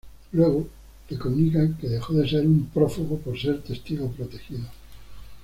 Luego, le comunican que dejó de ser un prófugo por ser testigo protegido.